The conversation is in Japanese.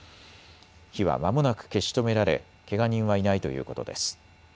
火はまもなく消し止められけが人はいないということです。